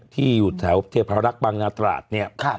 ที่อยู่ที่แถวพระรักษณ์บังนาตราสน์นี่